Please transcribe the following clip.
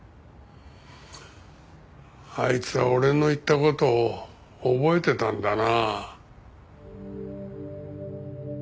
あいつは俺の言った事を覚えてたんだな。